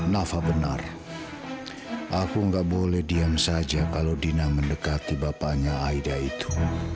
nafa benar aku nggak boleh diam saja kalau dina mendekati bapaknya aida itu